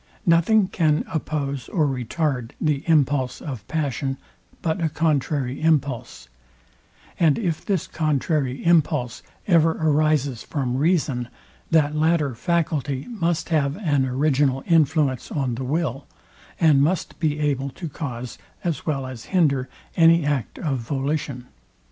Nothing can oppose or retard the impulse of passion, but a contrary impulse; and if this contrary impulse ever arises from reason, that latter faculty must have an original influence on the will, and must be able to cause, as well as hinder any act of volition.